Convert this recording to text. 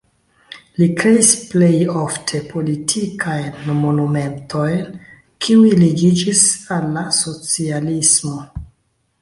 Li kreis plej ofte politikajn monumentojn, kiuj ligiĝis al la socialismo.